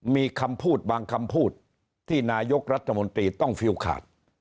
มีคำพูดบางคำพูดที่นายกรัฐมนตรีต้องฟิลขาด